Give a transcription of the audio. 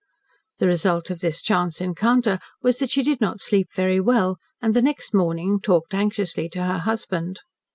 The result of this chance encounter was that she did not sleep very well, and the next morning talked anxiously to her husband.